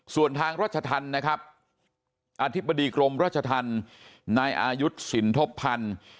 ส่วนทางรัชธรรมนะครับอธิบดีกรมราชธรรมนายอายุทธ์สินทบพันธ์